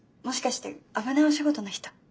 もしかして危ないお仕事の人？